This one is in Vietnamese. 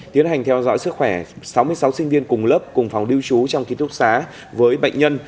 tiến hành theo dõi sức khỏe sáu mươi sáu sinh viên cùng lớp cùng phòng lưu trú trong ký thúc xá với bệnh nhân